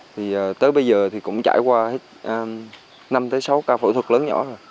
thì tới bây giờ thì cũng trải qua năm sáu ca phẫu thuật lớn nhỏ rồi